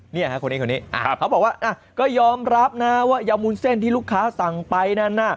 คนนี้คนนี้เขาบอกว่าก็ยอมรับนะว่ายามุนเส้นที่ลูกค้าสั่งไปนั้นน่ะ